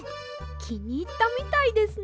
きにいったみたいですね。